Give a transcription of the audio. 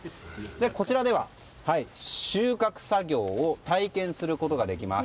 こちらでは、収穫作業を体験することができます。